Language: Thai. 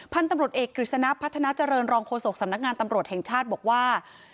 พันธุ์ตำรวจเอกกฤษณะพัฒนาเจริญรองโฆษกสำนักงานตำรวจแห่งชาติบอกว่า